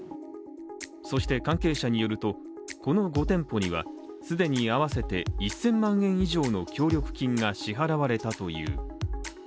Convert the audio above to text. そして、関係者によると、この５店舗には既に合わせて１０００万円以上の協力金が支払われたという。